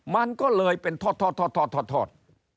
มันก็เลยเป็นทอด